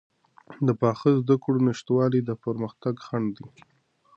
د پاخه زده کړو نشتوالی د پرمختګ خنډ دی.